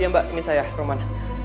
iya mbak ini saya raman